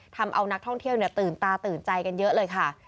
ทำเอานักท่องเที่ยวตื่นตาตื่นใจกันเยอะเลยค่ะ